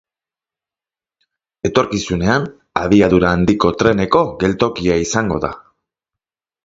Etorkizunean abiadura handiko treneko geltokia izango da.